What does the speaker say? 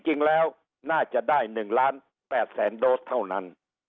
จริงแล้วน่าจะได้๑๘๐๐๐๐๐โดสเท่านั้น